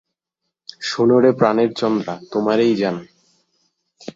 "শুন রে প্রাণের চন্দ্রা তোমারে জানাই।